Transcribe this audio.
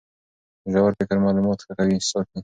ژور فکر معلومات ښه ساتي.